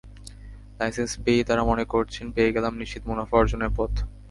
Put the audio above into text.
Licence পেয়েই তাঁরা মনে করছেন পেয়ে গেলাম নিশ্চিত মুনাফা অর্জনের পথ।